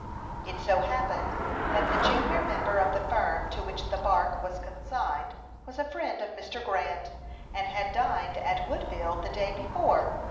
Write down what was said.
It so happened that the junior member of the firm to which the bark was consigned, was a friend of Mr. Grant, and had dined at Woodville the day before.